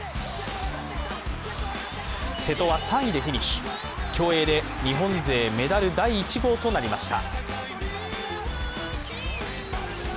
瀬戸は３位でフィニッシュ、競泳で日本勢メダル第１号となりました。